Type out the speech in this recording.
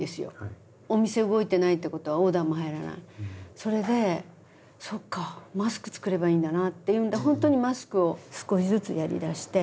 それでそっかマスク作ればいいんだなっていうんで本当にマスクを少しずつやりだして。